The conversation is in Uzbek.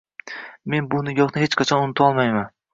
men bu nigohni hech qachon unutolmayman.